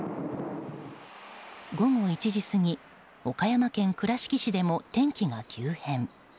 午後１時過ぎ岡山県倉敷市でも天気が急変。